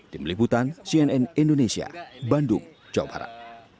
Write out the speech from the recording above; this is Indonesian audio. tim liputan cnn indonesia bandung jawa barat